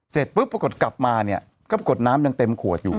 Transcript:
เสร็จปุ๊บปรากฏกลับมาเนี่ยก็ปรากฏน้ำยังเต็มขวดอยู่